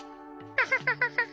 ハハハハハハ。